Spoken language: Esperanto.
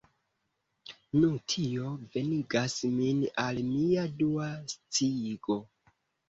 Nu, tio venigas min al mia dua sciigo.